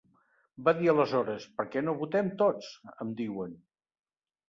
Va dir aleshores: Per què no votem tots, em diuen?